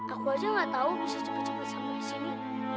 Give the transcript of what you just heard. aku aja gak tahu bisa cepet cepet sampai di sini